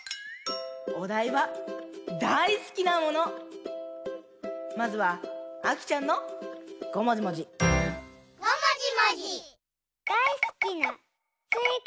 おだいは「だいすきなもの」。まずはあきちゃんのごもじもじ。